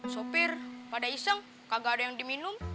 sopir pada iseng kagak ada yang diminum